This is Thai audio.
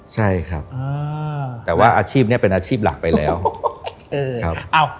ใช่ครับแต่ว่าอาชีพนี้เป็นอาชีพหลักไปแล้วเออครับ